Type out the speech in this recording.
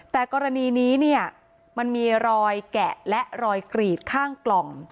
แต่กรณีนี้เนี่ยมันมีรอยแกะและรอยกรีดข้างกล่อง